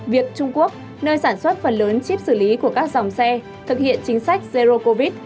việc trung quốc nơi sản xuất phần lớn chip xử lý của các dòng xe thực hiện chính sách zero covid